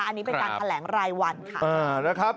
อันนี้เป็นการแถลงรายวันค่ะ